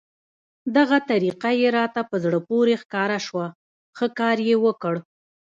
دغه طریقه یې راته په زړه پورې ښکاره شوه، ښه کار یې وکړ.